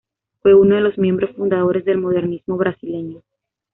Fue uno de los miembros fundadores del modernismo brasileño.